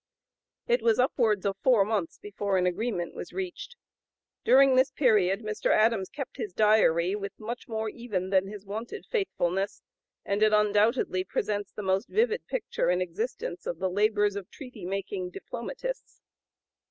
It was upwards of four months before an agreement was reached. (p. 077) During this period Mr. Adams kept his Diary with much more even than his wonted faithfulness, and it undoubtedly presents the most vivid picture in existence of the labors of treaty making diplomatists.